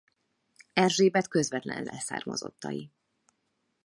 Erzsébet közvetlen leszármazottai.